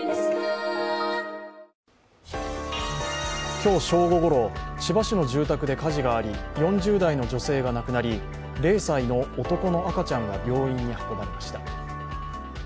今日正午ごろ、千葉市の住宅で火事があり、４０代の女性が亡くなり０歳の男の赤ちゃんが病院に運ばれました。